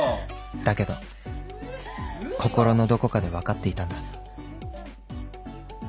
［だけど心のどこかで分かっていたんだ］